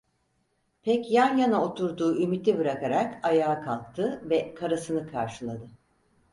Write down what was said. Pek yan yana oturduğu Ümit’i bırakarak ayağa kalktı ve karısını karşıladı.